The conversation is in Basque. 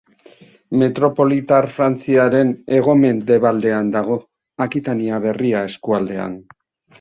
Metropolitar Frantziaren hego-mendebaldean dago, Akitania Berria eskualdean.